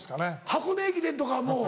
箱根駅伝とかもう。